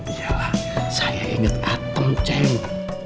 iyalah saya inget atem cemu